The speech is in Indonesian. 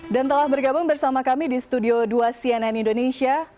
dan telah bergabung bersama kami di studio dua cnn indonesia